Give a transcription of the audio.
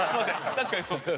確かにそうです。